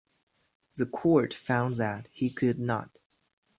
The court found that he could not.